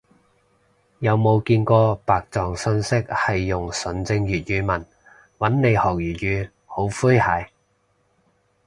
有冇見過白撞訊息係用純正粵語問，搵你學粵語？好詼諧